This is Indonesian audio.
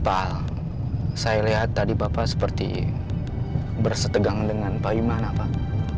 pak saya lihat tadi bapak seperti bersetegang dengan payumana pak